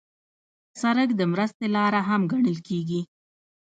سړک د مرستې لاره هم ګڼل کېږي.